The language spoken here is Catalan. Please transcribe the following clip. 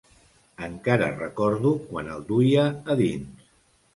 Encara recordo quan el duia a dins.